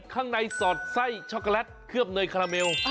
ข้างในสอดไส้ช็อกโกแลตเคลือบเนยคาราเมล